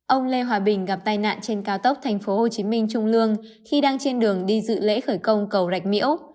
ông lê hòa bình gặp tai nạn trên cao tốc tp hcm trung lương khi đang trên đường đi dự lễ khởi công cầu rạch miễu